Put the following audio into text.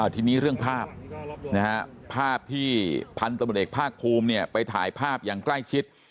ทีนี้เรื่องภาพภาพที่พันธบทเอกภาคภูมิไปถ่ายภาพอย่างใกล้ชิด